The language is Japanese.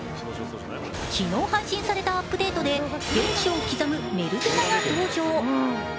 昨日配信されたアップデートで原初を刻むメル・ゼナが登場。